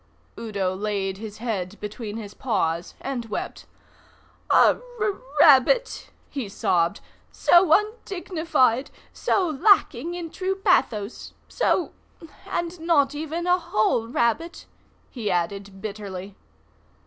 Udo laid his head between his paws and wept. "A r rabbit!" he sobbed. So undignified, so lacking in true pathos, so And not even a whole rabbit," he added bitterly.